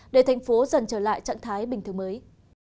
để thành phố dần trở lại trạng thái bình thường mới